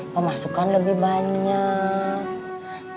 pemasukan lebih banyak